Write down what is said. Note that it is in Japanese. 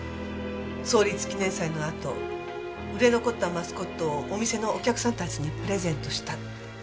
創立記念祭のあと売れ残ったマスコットをお店のお客さんたちにプレゼントした。